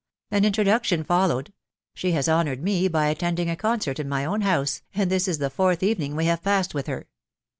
An introduction foL lowed ; she has honoured me by attending a concert at my own house, and this is the fourth evening we have passed with her.